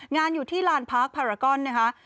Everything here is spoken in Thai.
งานอยู่ที่ลานพาร์คพารากอนนะคะ